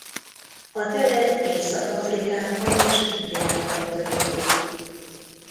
A telet Észak-Afrikában és Indiában tölti.